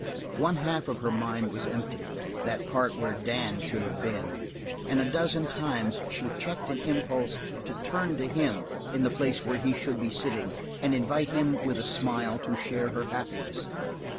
One half of her mind was empty, that part where Dan should have been, and a dozen times she checked an impulse to turn to him in the place where he should be sitting and invite him with a smile to share her happiness.